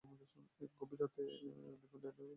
এক গভীর রাতে টাইম ডিপেনডেন্ট ইরোটা ফাংশন নিয়ে ভাবছিলেন।